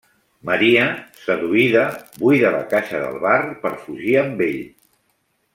Maria, seduïda, buida la caixa del bar per fugir amb ell.